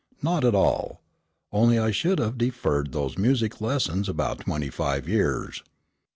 Not at all; only I should have deferred those music lessons about twenty five years.